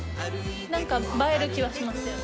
何か映える気はしますよね。